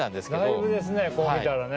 だいぶですね見たらね。